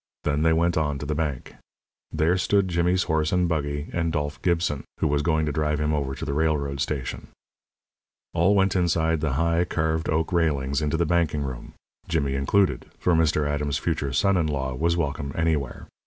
Then they went on to the bank. There stood Jimmy's horse and buggy and Dolph Gibson, who was going to drive him over to the railroad station. All went inside the high, carved oak railings into the banking room Jimmy included, for Mr. Adams's future son in law was welcome anywhere.